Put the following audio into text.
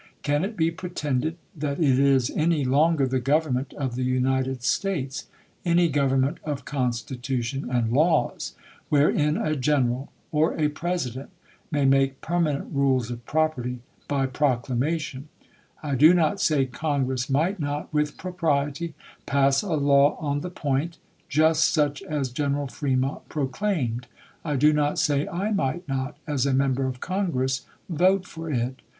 Can it be pretended that it is any longer the Government of the United States — any gov ernment of constitution and laws — wherein a general or a president may make permanent rules of property by proclamation 1 I do not say Congress might not, with propriety, pass a law on the point, just such as General Fremont proclaimed. I do not say I might not, as a mem ber of Congress, vote for it.